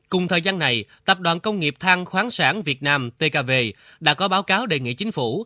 cùng thời gian này tập đoàn công nghiệp thang khoáng sản việt nam tkv đã có báo cáo đề nghị chính phủ